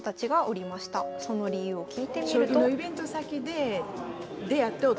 その理由を聞いてみると。